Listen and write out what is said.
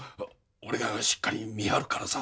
俺がしっかり見張るからさ。